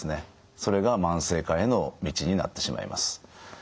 それが慢性化への道になってしまいます。